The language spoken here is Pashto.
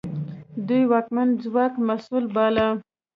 دوی واکمن ځواک مسوول باله.